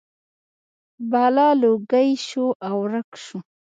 بلا لوګی شو او ورک شو.